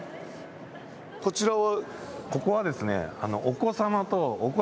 こちらは。